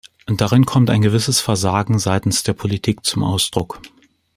Darin kommt ein gewisses Versagen seitens der Politik zum Ausdruck.